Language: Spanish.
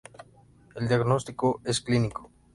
El diagnóstico es clínico.